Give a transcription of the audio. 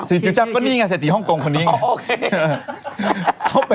จิ๋วจังก็นี่ไงเศรษฐีฮ่องกงคนนี้ไง